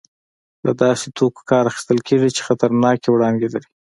له داسې توکو کار اخیستل کېږي چې خطرناکې وړانګې لري.